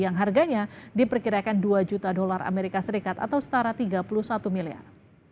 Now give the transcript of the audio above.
yang harganya diperkirakan dua juta dolar amerika serikat atau setara tiga puluh satu miliar